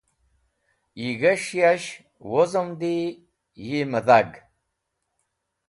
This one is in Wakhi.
Yi g̃hes̃h yash wozomdi, yi mẽdhag.